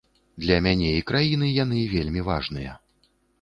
Для мяне і краіны яны вельмі важныя.